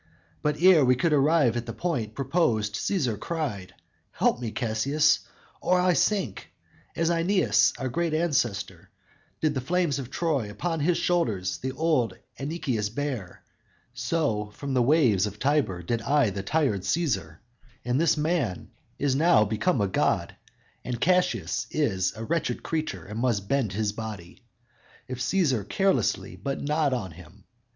But ere we could arrive at the point proposed, Cæsar cried, 'Help me, Cassius, or I sink!' I, as Aeneas, our great ancestor, Did from the flames of Troy upon his shoulders The old Anchisas bear, so, from the waves of Tiber Did I the tired Cæsar; and this man Is now become a god, and Cassius is A wretched creature, and must bend his body, If Cæsar carelessly but nod on him.